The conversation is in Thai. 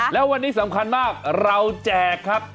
แล้ววันนี้สำคัญมากเราแจกครับ